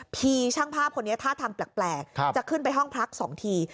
ช่างภาพคนนี้ท่าทางแปลกจะขึ้นไปห้องพัก๒ที